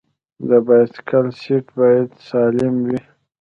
د بایسکل سیټ باید سالم وي.